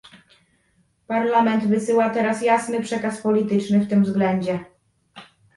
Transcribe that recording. Parlament wysyła teraz jasny przekaz polityczny w tym względzie